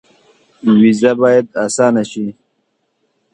ویزه باید اسانه شي